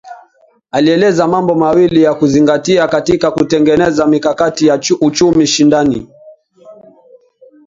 Alieleza mambo mawili ya kuzingatia katika kutengeneza mikakati ya uchumi shindani